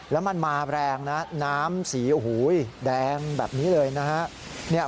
แล้วมันมาแรงนะน้ำสีโอ้โหแดงแบบนี้เลยนะฮะ